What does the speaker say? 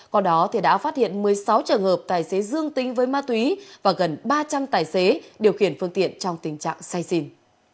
còn đó đã phát hiện một mươi sáu trường hợp tài xế dương tính với ma túy và gần ba trăm linh tài xế điều khiển phương tiện trong tình trạng say xỉn